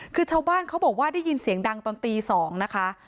คือชาวบ้านเขาบอกว่าได้ยินเสียงดังตอนตี๒นะคะ